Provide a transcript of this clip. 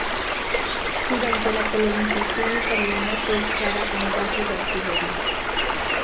Durante la colonización italiana fue usada como base de artillería.